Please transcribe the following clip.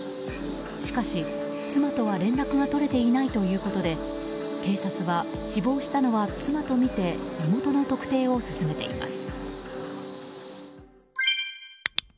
しかし妻とは連絡が取れていないということで警察は死亡したのは妻とみて身元の特定を進めています。